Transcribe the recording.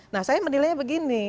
nah saya menilainya begini